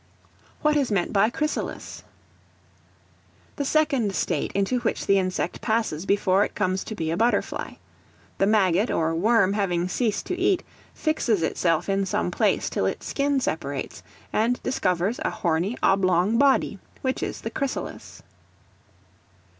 What is meant by Chrysalis? The second state into which the insect passes before it comes to be a butterfly. The maggot or worm having ceased to eat, fixes itself in some place till its skin separates, and discovers a horny, oblong body, which is the chrysalis.